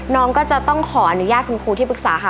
น้องก็จะต้องขออนุญาตคุณครูที่ปรึกษาค่ะ